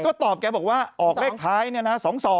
ก็ตอบแกบอกว่าออกเลขท้ายเนี่ยนะ๒๒